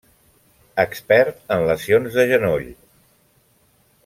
Expert en lesions de genoll.